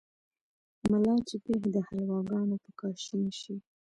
ملا چې پېښ دحلواګانو په کاشين شي